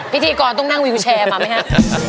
พิธีกรต้องนั่งวิวแชร์มาไหมครับ